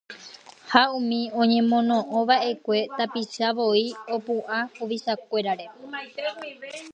ha umi oñemono'õva'ekue tapicha voi opu'ã huvichakuérare